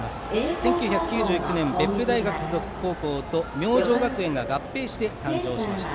１９９９年、別府大学付属高校と明星学園が合併して誕生しました。